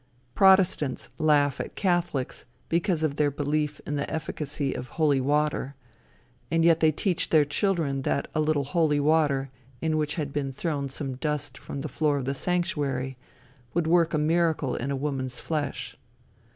Protestants laugh at catholics because of their belief in the efficacy of holy water, and yet they teach their children that a little holy water, in which had been thrown some dust from the floor of the sanctuary, would work a miracle in a woman's flesh.